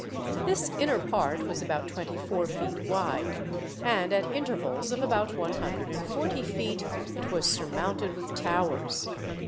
This inner part was about twenty four feet wide, and at intervals of about one hundred and forty feet it was surmounted with towers.